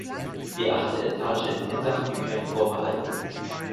Die achte Etage ist den Sachbüchern vorbehalten.